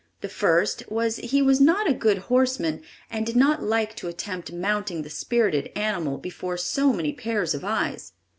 The first was, he was not a good horseman and did not like to attempt mounting the spirited animal before so many pairs of eyes.